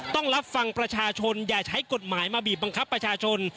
ต้องรับฟังประชาชนอย่าใช้กฎหมายมาบีบบังคับประชาชน